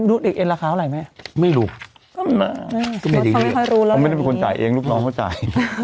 ลืมกันบ้านเขาขายคลิปเว้ย